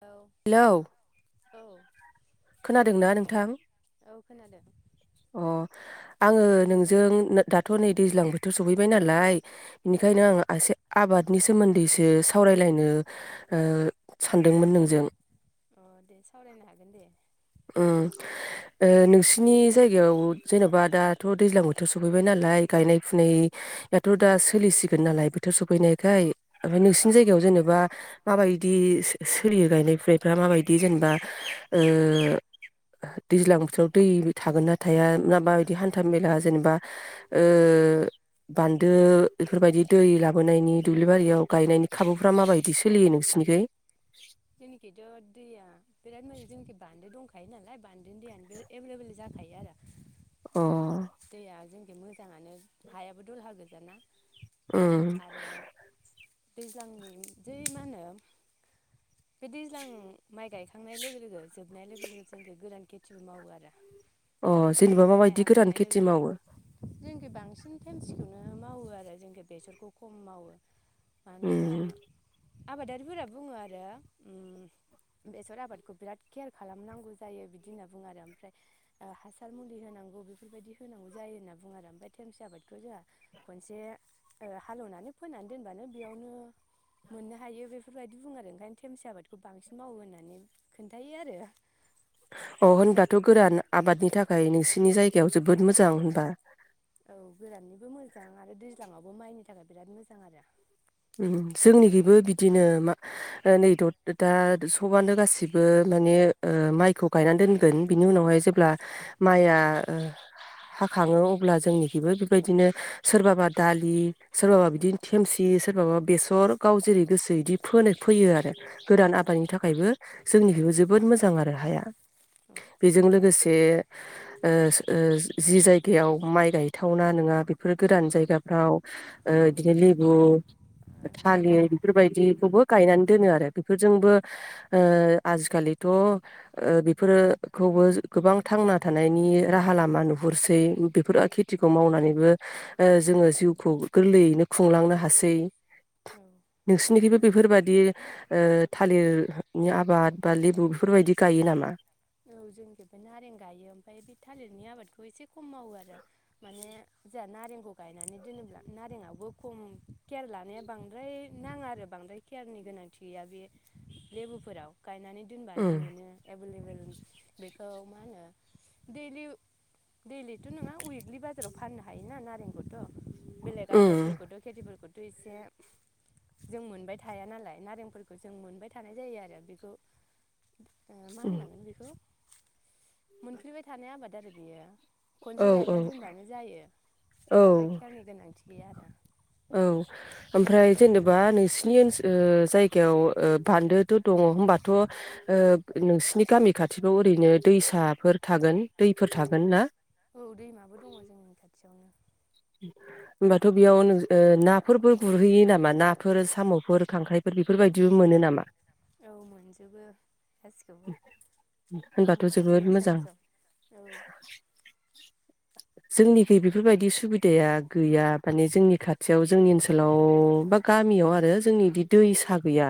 औ हेल' औ खोना दोंना नोंथां औ खोनादों अ आङो नोंजों दाथ' नै दैज्लां बोथोर सफैबाय नालाय औ बेनिखायनो आं एसे आबाद नि सोमोन्दैसो सावरायलायनो ओ सानदोंमोन नोंजों। अ दे सावरायनो हागोन दे। उम ओ नोंसिनि जायगायाव जेन'बा दाथ' दैज्लां बोथोर सफैबाय नालाय गायनाय फुनायाथ' दा सोलिसिगोन नालाय बोथोर सफैनायखाय। ओमफ्राय औ नोंसिनि जायगायाव जेनेबा माबायदि सोलियो गायनाय फुनायफ्रा माबायदि जेनेबा ओ दैज्लां बोथोराव दै थागोन ना थाया माबायदि हान्था मेला जेनेबा ओ बान्दो बेफोरबायदि दै लाबोनायनि दुब्लि बारियाव गायनायनि खाबुफोरा माबायदि सोलियो नोंसिनिखै? जोंनिखैथ' दैया बिराद मोजां जोंनिखि बान्दो दंखायो नालाय बान्दोनि दैयानो एभेलेबोल जाखायो आरो अ। दैया जोंनिखि मोजाङानो हायाबो दलहा गोजाना। उम। आरो दैज्लांनि जेै मा होनो? बे दैज्लां माइ गायखांनाय लोगो लोगो जोबनाय लोगो लोगो जों गोदान खेथि थि मावो आरो अ। जेनेबा माबायदि गोदान खेथि मावो? जे बांसिन थेमसिखौनो मावो आरो जोंखौ बेसरखौ खम मावो। मानो होनबा उम आबादारिफोरा बुङो आरो उम बेसर आबादखौ बिराद केयार खालामनांगौ जायो बिदि होनना बुङो आरो ओमफ्राय ओ हासार मुलि होनांगौ बेफोरबायदि होनांगौ जायो होनना बुङो आरो ओमफ्राय थेमसि आबादखौ जोंहा खनसे ओ हालेवनानै फोनानै दोनबानो बेयावनो मोननो हायो बेफोरबायदि बुङो आरो ओंखायनो थेमसि आबादखौ बांसिन मावो होननानै खोन्थायो आरो अ होनबाथ' गोरान आबादनि थाखाय नोंसिनि जायगायाव जोबोद मोजां होनबा। औ गोराननिबो मोजां आरो दैज्लाङावबो माइनि थाखाय बिराद मोजां आरो उम जोंनिखैबो बिदिनो मा नै दद दा सबानो गासिबो माने ओ माइखौ गायनानै दोनगोन। बिनि उनावहाय औ जेब्ला माइया ओ हाखाङो अब्ला जोंनिखैबो बेबायदिनो सोरबाबा दालि सोरबाबा औ बिदिनो थेमसिस सोरबाबा बेसर गाव जेरै गोसो इदि फोनो फैयो आरो गोरान औ आबादनि थाखायबो जोंनिखैबो जोबोद मोजां आरो हाया। बेजों लोगोसे बे ओ ओज जि जायगायाव माइ गायथावना नोङा बेफोर गोरान जायगाफ्राव ओ [unintelligible] थालिर बेफोरबायदिखौबो गायनानै दोनो आरो बेफोरजोंबो ओ आजिखालिथ' ओ बेफोरोखौबो गोबां थांना थानायनि राहा लामा नुहुरसै। बेफोर खि थिखौ मावनानैबो ओ जोङो जिउ खौ गोरलैयैनो खुंलांनो हासै। औ नोंसिनिखैबो बेफोरबायदि ओयो थालिरनि आबाद बा लेबु बेफोरबायदि गायो नामा? औ जोंखेबो नारें गायो ओमफ्राय बे थालिरनि आबादखौ एसे खम मावो आरो माने जोंहा नारेंखौ गायनानै दोनोब्ला नारेंआवबो खम केयार लानाया बांद्राय नाङा आरो बांद्राय केयारनि गोनांथि गैया बे लेबुफोराव। गायनानै दोनबानो उम मोनो एभेलेबोल। बेखौ मा होनो दैलिव दैलिथ' नङा उइकलि बाजाराव फाननो हायोना नारेंखौथ'। बेलेग उम आबादफोरखौथ' खेथिफोरखौ दुयसेब जों मोनबाय थाया नालाय नारेंफोरखौ जों मोनबाय थानाय जायो आरो बिखौ ओ मा उम होनांगोन बिफ मोनफ्लिबाय थानाय आबाद आरो। बियो। औ खनसे गायना औ दोनबानो जायो बांद्राय औ खेरनि गोनांथि गैया आरो। औ ओमफ्राय जेनेबा नोंसिनि ओनसो जायगायाव ओ बान्दोथ' दङ होनबाथ' ओ नोंसिनि गामि खाथिफ्राव ओरैनो दैसाफोर थागोन दैफोर थागोन ना? औ दैमाबो दङ जोंनि खाथियावनो। होनबाथ' बेयाव नोंसो ओ नाफोरबो गुरहैयो नामा नाफोर साम'फोर खांख्राइफोर बेफोरबायदिबो मोनो नामा? औ मोनजोबो गासिखौबो होनबाथ' जोंबो जोबोद गुरहैयो मोजां सम सम औ। जोंनिखै बेफोरबायदि सुबिदाया गैया माने जोंनि खाथियाव जोंनि ओनसोलाव बा गामियाव आरो जोंनि बिदैसा गैया।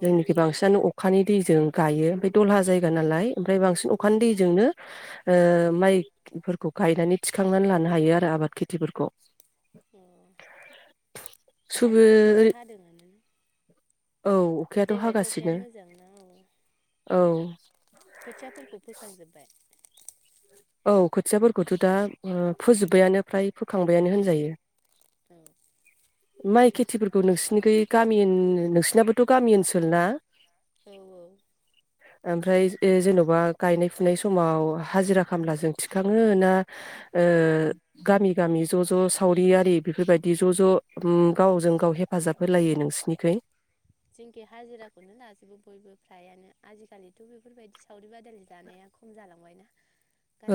अ जोंनिखै बांसिनानो अखानि दैजों गायो बे दलहा जाय गा नालाय ओमफ्राय बांसिन अखानि अ दैजोंनो ओयो माइफोरखौ गायनानै थिखांनानै लानो हायो आरो आबाद खिथिफोरखौ। अ दाथ' सुबो अखाया हादोंयानो औ अखायाथ' देग्लायथ' अखाया हागासिनो मोजांना औ औ खोथियाफोरखौ फोखांजोब्बाय? औ खोथियाफोरखौथ' दा उम फोजोब्बायानो फ्राय फोखांबायानो होनजायो। औ। माइ खेथिफोरखौ नोंसिनिखै गामि नोंसिनाबोथ' गामि ओनसोल ना? औ औ। ओमफ्राय जेन'बा गायनाय फुनाय समाव हाजिराख खामलाजों थिखाङो ना ओयो गामि गामि ज' ज' सावरिआरि बेफोरबायदि ज' ज' उम गावजों गाव हेफाजाब होलायो नोंसिनिखै? जोंखि हाजिराखौनो लाजोबो बयबो फ्रायानो आजिखालिथ' बेफोरबायदि सावरि बादालि जानाया खम जालांबायना।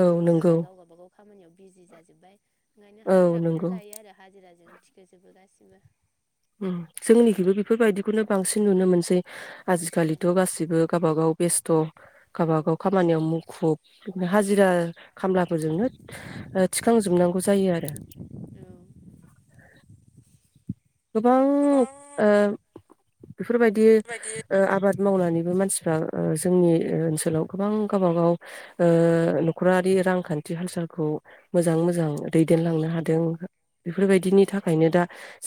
औ नंगौ मालाय गाव गाबागाव खामानियाव बिजि जाजोबबाय ओंखायनो औ हाजिराखौनो नंगौ लायो आरो हाजिराजों थिखोजोबो गासिब ब्ला उम। जोंनिखैबो बेफोरबायदिखौनो बांसिन नुनो मोनसै। आजिखालिथ' गासिबो गावबा गाव बेस्थ'। औ गावबागाव खामानियाव मुखुब। हाजिरा खामलाफोरजोंनो ओ थिखांजोबनांगौ जायो आरो गोबां ओ बेफोरबायदि ओ आबाद मावनानैबो मानसिफ्रा ओ जोंनि ओनसोलाव गोबां गावबागाव ओ न'खरारि रांखान्थि हाल सालखौ मोजां मोजां दैदेनलांनो हादों। बेफोरबायदिनि थाखायनो हादों दा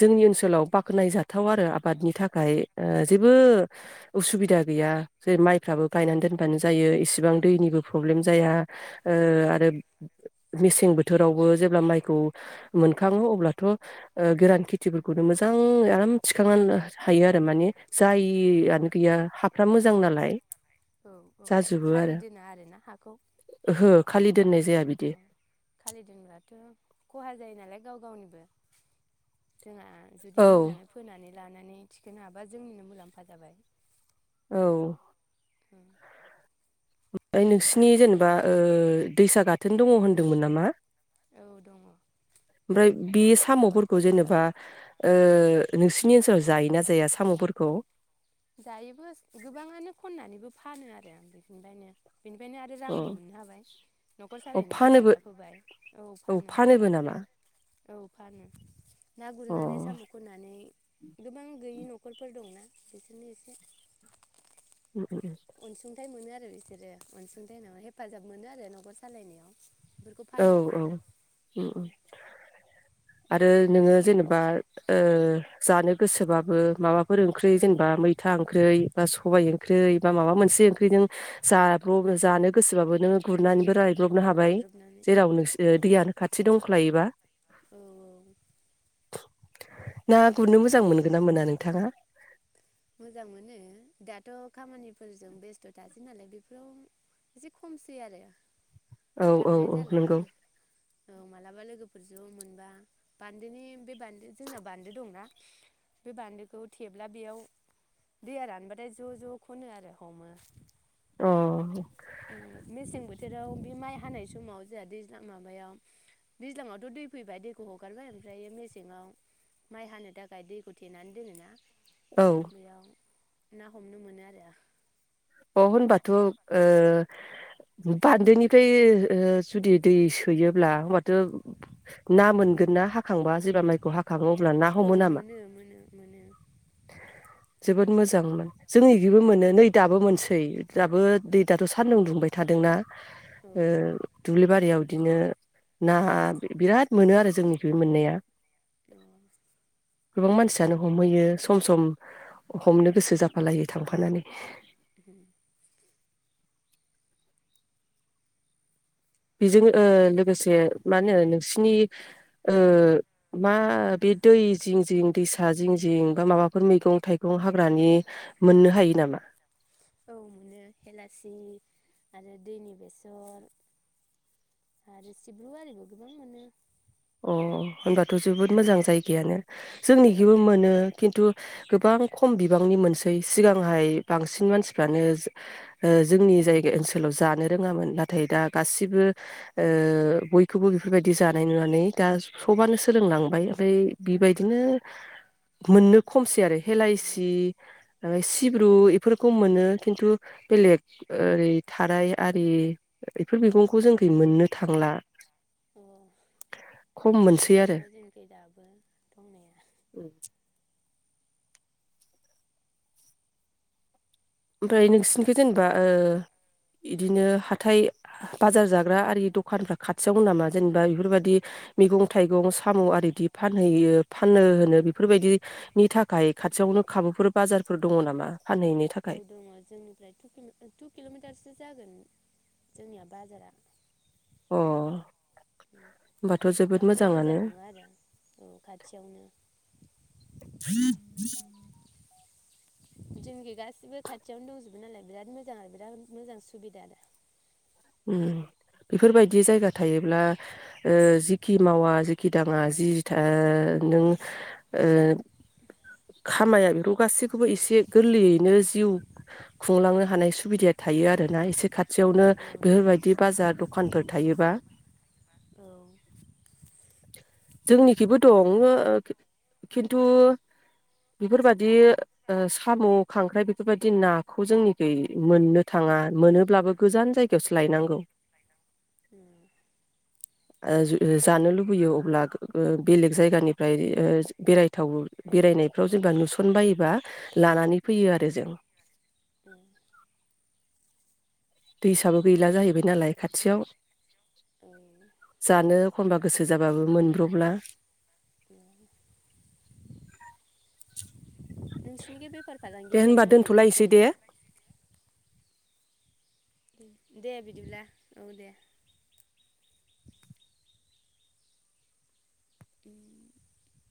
जोंनि ओनसोलाव बाखनाय जाथाव आरो आबादनि थाखाय ओ जेबो उसुबिदा गैया जेरै माइफ्राबो गायनानै दोनबानो जायो इसिबां दैनिबो प्रब्लेम जाया ओ औ आरो मेसे सें बोथोरावबो जेब्ला माइखौ मोनखाङो अब्लाथ' ओ गोरान खि थिफोरखौनो मोजां आराम थिखांनानै हायो आरो माने जायआनो गैया हाफ्रा मोजां नालाय औ औ खालि दोना आरो ना हाखौ ओहो खालि [inaudible] [inaudible] जोंहा दोननाय जाया बिदि जुदि औ मोजाङै फोनानै लानानै थिखोनो हाबा जोंनिनो मुलाम्फा जाबाय औ [inaudible] ओमफ्राय नोंसिनि जेनेबा ओ दैसा गाथोन दङ होनदोंमोन नामा? [inaudible] ओमफ्राय बे साम'फोरखौ जेनेबा ओ नोंसिनि ओनसोलाव जायोना जाया साम'फोरखौ? जायोबो गोबाङानो खननानैबो फानो आरो [inaudible] बेनिफ्रायनो आरो अ रांबो मोननो हाबाय न'खर अ सालायनायाव फानोबो हेफाजाब होबाय औ फानो फानोबो नामा औ फानो। ना अ गुरनानै साम' खननानै गोबां गैयि न'खरफोर दंना [inaudible] उम उम अनसुंथाइ मोनो आरो [inaudible] औ औ फाननानैनो उम आरो ओ नोङो जेनेबा ओ जानो गोसोबाबो माबाफोर ओंख्रि औ जेनेबा मैथा ओंख्रि बा सबाय ओंख ओंख्रै बा माबा मोनसे ओंख्रि नों जाब्रबनो जानो गोसोबाबो नों गुर नानैबो औ रायब्रबनो हाबाय गुरब्रबनानै औ [unintelligible] लायो दैयानो खाथि दंखायोबा औ औ [inaudible] ना गुरनो मोजां मोनगोन ना मोना नोंथाङा मोजां मोनो दाथ' खामानिफोरजों बेस्थ' थासै नालाय बेफोराव एसे खमसै आरो औ औ थांनाय औ जाला नंगौ औ मालाबा लोगोफोर ज' मोनबा बान्दोनि बे बान्दो जोंना बान्दो दंना बे बान्दोखौ थेब्ला बेयाव दैया रानबाथाय ज' ज' खनो आरो हमो अ उम मेसें बोथोराव बे माइ हानाय समाव जोंहा दैज्लां माबायाव दैज्लाङावथ' दै फैबाय दैखौ हगारबाय ओमफ्राय मेसेङाव माइ हानो थाखाय दैखौ थेनानै दोनोना औ बेयाव ना हमनो मोनो आरो अ होनबाथ' बान्दोनिफ्राय जुदि दै सोयोब्ला होमबाथ' ना मोनगोन ना हाखांबा जेबब्ला माइखौ हाख औ मोनो मोनो मोनो जोबोद मोजांमोन जोंनि बिबो औ मोनो नै दाबो मोन दाबो दै दाथ' सान्दुं दुंबाय थादोंना ओ औ दुब्लि बारियाव बिदिनो ना बिराद मोनो आरो जोंनिथिंबो मोननाया [inaudible] गोबां मानसियानो हमहैयो सम सम हमनो गोसो जाफालायो थांफा फानानै [inaudible] बेजों ओ लोगोसे मा होनो नोंसिनि ओ मा बे दै जिं जिं दैसा जिं जिं बा माबाफोर मैगं थाइगं हाग्रानि मोननो हायो नामा? औ मोनो हेलासि आरो दैनि बेसर आरो सिब्रु आरिबो गोबां मोनो। अ होनबाथ' औ जोबोद मोजां जायगायानो औ जोंनिखिबो मोनो खिन्थु गोबां खम बिबांनि मोनसै सिगांहाय बांसिन मानसिफ्रानो ओ जोंनि जायगा ओनसोलाव जानो रोङामोन नाथाय दा गासिबो ओ बयखौबो बेफोरबायदि जानाय नुनानै दा औ सबानो सोलोंलांबाय ओमफ्राय बेबायदिनो मोननो खमसै आरो। हेलायसि सिब्रु बेफोरखौ मोनो खिन्थु बेलेग ओरै थाराय आरि बेफोर औ मैगंखौ जोंनिथिं मोननो थांला औ खम मोनसै दङ आरो जोंनिखि दाबो दंनाया। ओमफ्राय नोंसिनिखौ जेनेबा ओ इदिनो हाथाइ बाजार जाग्रा आरि दखानफ्रा खाथियावनो नामा? जेनेबा बेफोरबायदि मैगं थाइगं साम' आरिदि फानहैयो फाननो होनो बेफोरबायदिनि थाखाय खाथियावनो खाबुफोर बाजारफोर दङ नामा? फानहैनो औ थाखाय? दङ जोंनिफ्राय तु तु किल'मिटारसो जागोन जोंनिया बाजारा। अ'। होमबाथ' जोबोद बांद्राय मोजाङानो गोजान नङा आरो औ खाथियावनो। जोंखि गासिबो खाथियावनो दंजोबो नालाय बिराद मोजां आरो बिराद मोजां सुबिदा आरो। उम बेफोरबायदि जायगा थायोब्ला जिखि मावा जिखि दाङा जि नों ओ खामाया बेखौ गासैखौबो एसे गोरलैयैनो जिउ खुंलांनो हानाय सुबिदाया थायो आरोना एसे खाथि खाथियावनो आरो औ थायो औ बिदि बाजार दखानफोर थायोबा। औ जोंनिखिबो दङ खिन्थु बेफोरबायदि साम' खांख्राइ बेफोरबायदि नाखौ जोंनिखि मोननो थाङा मोनोब्लाबो गोजान जायगा जायगायावसो लायनांगौ। ए ओ जानो लुबैयो अब्ला बेलेग जायगानिफ्राय ओ बेरायथाव बेरायनायफ्राव जेनेबा नुसनबायोबा लानानै फैयो आरो जों। औ दैसाबो गैला जाहैबाय नालाय खाथियाव। औ औ जानो एखमबा गोसो जाबाबो मोनब्र'ला। [inaudible] नोंसोरनिजों बेफार दे फालांगियालाय होनबा माबोरैथो दोनथ'लायसै दे सोलियो? दे बिदिब्ला औ दे। [inaudible]